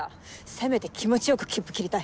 せめて気持ち良く切符切りたい。